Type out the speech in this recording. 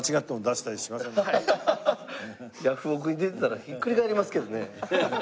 ヤフオク！に出てたらひっくり返りますけどね。